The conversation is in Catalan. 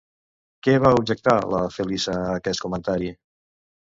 Què va objectar, la Feliça, a aquest comentari?